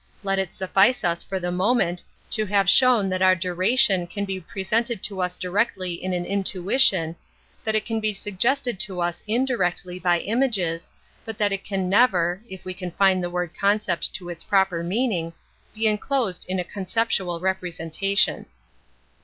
.Let it suffice us for the moment 22 An Introcjuction to V / to have shown that otr duration can be presented to us directly in an intuition, 'i j that it can be suggested to us indirectly by images, but that it can never — ^if we confine the word concept to its proper meaning — be enclosed in a conceptual f representation.